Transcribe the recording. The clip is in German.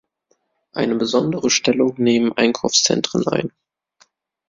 Eine besondere Stellung nehmen Einkaufszentren ein.